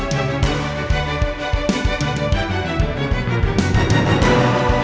tolong jaga andi ya allah